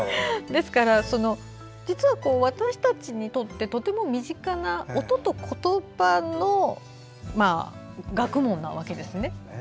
ですから実は私たちにとってとても身近な音と言葉の学問なわけですね。